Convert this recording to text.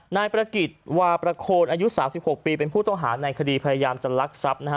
นายประกิจวาประโคนอายุ๓๖ปีเป็นผู้ต้องหาในคดีพยายามจะลักทรัพย์นะฮะ